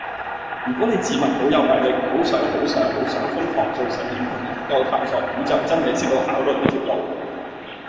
如果你自問好有毅力，好想好想好想瘋狂做實驗同研究探索宇宙真理先好考慮呢條路